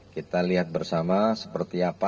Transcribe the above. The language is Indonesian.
kita lihat bersama seperti apa